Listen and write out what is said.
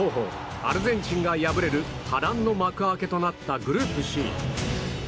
アルゼンチンが敗れる波乱の幕開けとなったグループＣ。